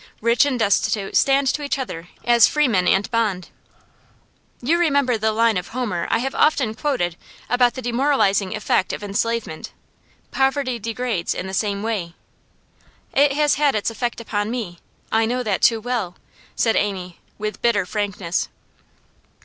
Rich and destitute stand to each other as free man and bond. You remember the line of Homer I have often quoted about the demoralising effect of enslavement; poverty degrades in the same way.' 'It has had its effect upon me I know that too well,' said Amy, with bitter frankness.